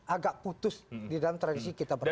agak putus di dalam tradisi kita bersama